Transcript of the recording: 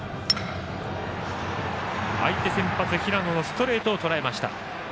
相手先発、平野のストレートをとらえました。